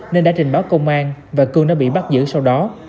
nên đã trình báo công an và cương đã bị bắt giữ sau đó